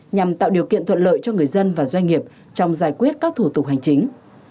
nhằm tạo điều kiện thuận lợi cho người dân và doanh nghiệp trong giải quyết các thủ tục hành chính